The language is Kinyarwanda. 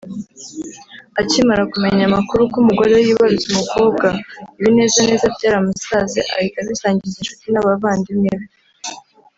Akimara kumenya amakuru ko umugore we yibarutse umukobwa ibinezaneza byaramusaze ahita abisangiza inshuti n’abavandimwe be